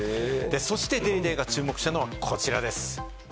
そして『ＤａｙＤａｙ．』が注目したのはこちらです。